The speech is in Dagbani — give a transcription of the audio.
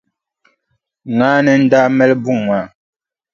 Ŋaani n-daa mali buŋa maa.